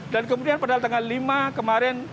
dan kemudian pada petangal lima kemarin